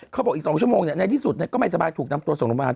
เขาบอกอีก๒ชั่วโมงในที่สุดก็ไม่สบายถูกนำตัวส่งโรงพยาบาล